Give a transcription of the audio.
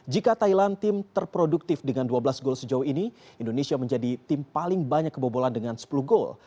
jika thailand tim terproduktif dengan dua belas gol sejauh ini indonesia menjadi tim paling banyak kebobolan dengan sepuluh gol